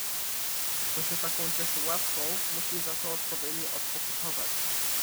"Kto się taką cieszy łaską, musi za to odpowiednio odpokutować."